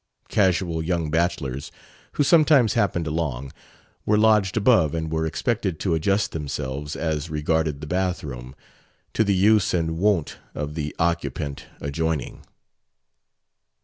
Casual young bachelors, who sometimes happened along, were lodged above and were expected to adjust themselves, as regarded the bathroom, to the use and wont of the occupant adjoining.